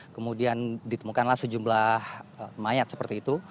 kemudian ditemukanlah sejumlah mayat seperti itu